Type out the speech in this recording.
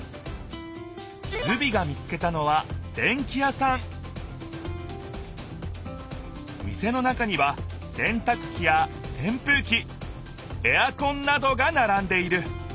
ズビが見つけたのは店の中にはせんたくきやせんぷうきエアコンなどがならんでいる。